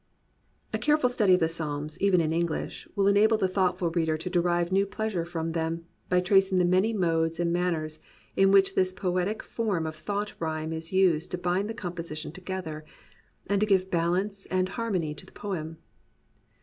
A careful study of the Psalms, even in English, will enable the thoughtful reader to derive new pleasure from them, by tracing the many modes and man ners in which this i>oetic form of thought rhyme is used to bind the composition together, and to give balance and harmony to the poem.